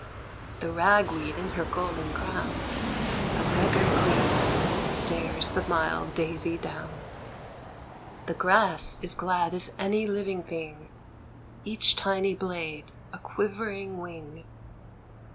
The rag weed in her golden crown, A beggar queen, stares the mild daisy down. The grass is glad as any living thing, Each tiny blade a quivering wing.